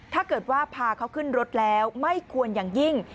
ถ้าเกิดว่าพาเขาขึ้นรถแล้วไม่ควรอย่างยิ่ง